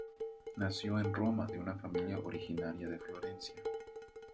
Nació en Roma de una familia originaria de Florencia.